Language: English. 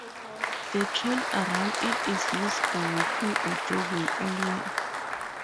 The trail around it is used for walking or jogging all year.